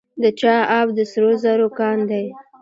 د چاه اب د سرو زرو کان دی